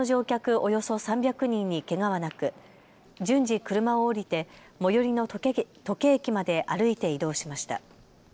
およそ３００人にけがはなく順次、車を降りて最寄りの土気駅まで歩いて移動しました。